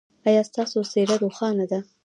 ایا ستاسو څیره روښانه ده؟